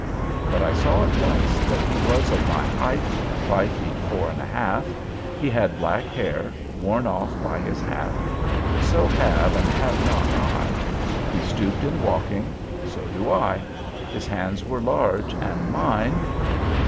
But I saw at once that he was of my height, five feet four and a half. He had black hair, worn off by his hat. So have and have not I. He stooped in walking. So do I. His hands were large, and mine.